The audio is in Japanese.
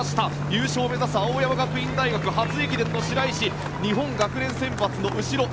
優勝を目指す青山学院大学初駅伝の白石は日本学連選抜の後ろ。